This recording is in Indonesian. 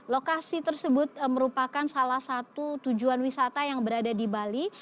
lokasi tersebut merupakan salah satu tujuan wisata yang berada di bali